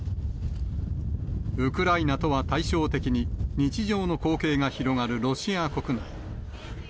ウクライナとは対照的に、日常の光景が広がるロシア国内。